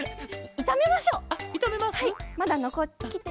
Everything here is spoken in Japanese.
いためましょう。